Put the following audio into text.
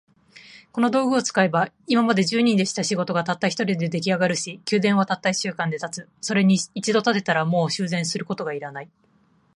この道具を使えば、今まで十人でした仕事が、たった一人で出来上るし、宮殿はたった一週間で建つ。それに一度建てたら、もう修繕することが要らない。